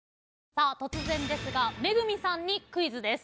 さあ突然ですが恵さんにクイズです。